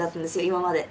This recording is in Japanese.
今まで。